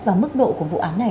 và mức độ của vụ án này